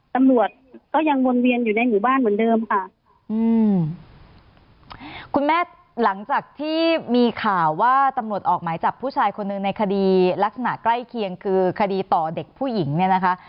ตำรวจก็ยังวนเวียนอยู่ในหมู่บ้านเหมือนเดิมค่ะอืมคุณแม่หลังจากที่มีข่าวว่าตำรวจออกหมายจับผู้ชายคนหนึ่งในคดีลักษณะใกล้เคียงคือคดีต่อเด็กผู้หญิงเนี่ยนะคะ